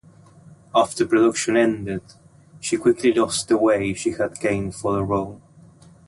After production ended, she quickly lost the weight she had gained for the role.